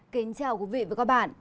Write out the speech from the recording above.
kính chào quý vị và các bạn